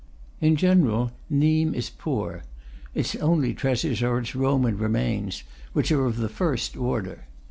In general, Nimes is poor; its only treasures are its Roman re mains, which are of the first order.